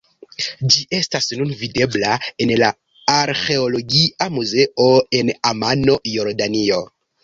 Ĝi estas nun videbla en la Arĥeologia Muzeo en Amano, Jordanio.